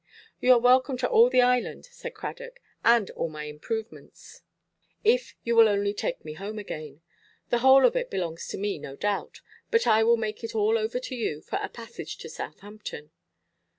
"You are welcome to all the island," said Cradock, "and all my improvements, if you will only take me home again. The whole of it belongs to me, no doubt; but I will make it all over to you, for a passage to Southampton."